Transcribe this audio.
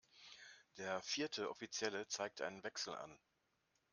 Der vierte Offizielle zeigt einen Wechsel an.